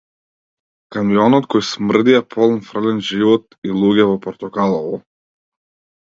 Камионот кој смрди е полн фрлен живот и луѓе во портокалово.